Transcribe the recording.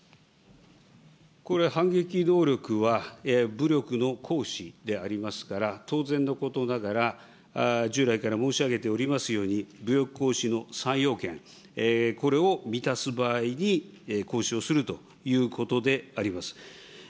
これ、反撃能力は武力の行使でありますから、当然のことながら、従来から申し上げておりますように、武力行使の三要件、これを満たす場合に行使をするということであります。